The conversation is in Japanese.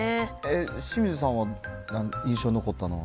清水さんは印象に残ったのは？